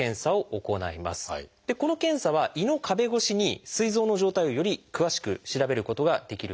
この検査は胃の壁越しにすい臓の状態をより詳しく調べることができるんです。